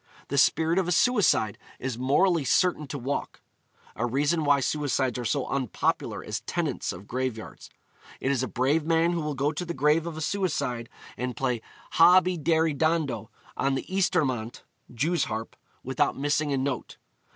The spirit of a suicide is morally certain to walk: a reason why suicides are so unpopular as tenants of graveyards. It is a brave man who will go to the grave of a suicide and play 'Hob y deri dando' on the ysturmant (jew's harp), without missing a note.